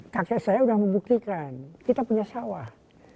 kakek saya sudah membuktikan kita punya sawah